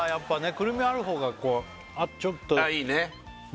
くるみあるほうがこうちょっといいね